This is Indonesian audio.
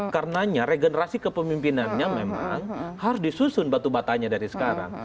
karenanya regenerasi kepemimpinannya memang harus disusun batu batanya dari sekarang